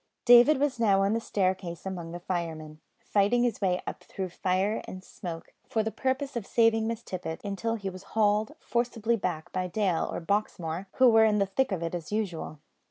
David was now on the staircase among the firemen, fighting his way up through fire and smoke, for the purpose of saving Miss Tippet, until he was hauled forcibly back by Dale or Baxmore who were in the thick of it as usual.